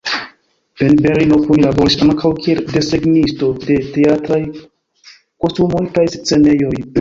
En Berlino, Puni laboris ankaŭ kiel desegnisto de teatraj kostumoj kaj scenejoj.